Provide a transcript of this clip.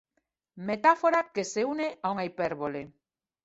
Metáfora que se une a unha hipérbole.